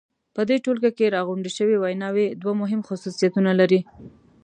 په دې ټولګه کې راغونډې شوې ویناوی دوه مهم خصوصیتونه لري.